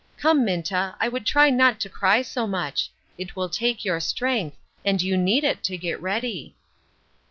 Come, Minta, I would try not to cry so much ; it will take your strength, and you need it to get ready."